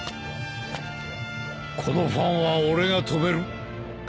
このファンは俺が止める。